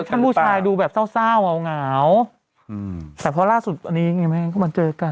แคปชั่นผู้ชายดูแบบเศร้าเหงาแต่พอล่าสุดอันนี้เห็นไหมมันเจอกัน